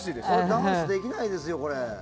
ダンスできないですよ。